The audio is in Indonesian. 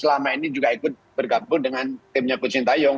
selama ini juga ikut bergabung dengan timnya coach sintayong